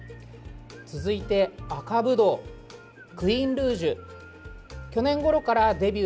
続いて、赤ブドウクイーンルージュ。